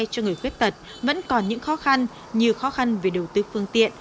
cho người khuyết tật vẫn còn những khó khăn như khó khăn về đầu tư phương tiện